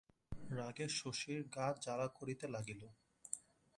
রাগে শশীর গা জ্বালা করিতে লাগিল।